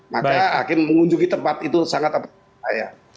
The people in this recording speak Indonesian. maka hakim mengunjungi tempat itu sangat berbahaya